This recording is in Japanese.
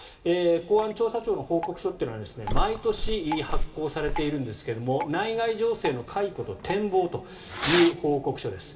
公安調査庁の報告書というのは毎年発行されているんですが「内外情勢の回顧と展望」という報告書です。